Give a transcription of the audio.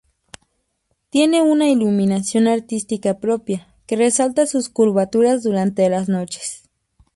Tiene una iluminación artística propia que resalta sus curvaturas durante las noches.